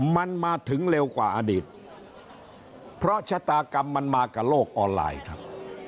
มันมาถึงเร็วกว่าอดีตเพราะชะตากรรมมันมากับโลกออนไลน์ครับ